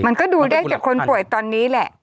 มันก็ดูได้จากคนป่วยตอนนี้แหละ